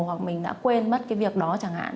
hoặc mình đã quên mất cái việc đó chẳng hạn